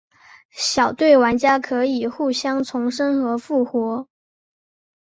小队玩家可以互相重生和复活。